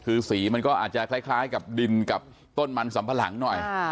คือสีมันก็อาจจะคล้ายคล้ายกับดินกับต้นมันสำผลังหน่อยอ่า